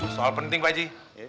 soal penting pak ji